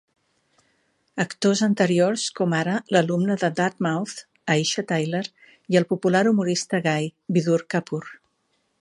Actors anteriors, com ara l'alumna de Dartmouth Aisha Tyler i el popular humorista gai Vidur Kapur.